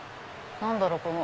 何だろう？